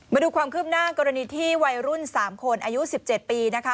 มาดูความคืบหน้ากรณีที่วัยรุ่น๓คนอายุ๑๗ปีนะคะ